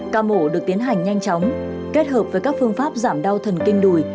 ca mổ được tiến hành nhanh chóng kết hợp với các phương pháp giảm đau thần kinh đùi